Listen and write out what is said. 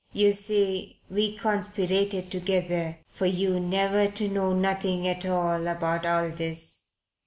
"Yer see, we conspirated together for yer never to know nothing at all about all this.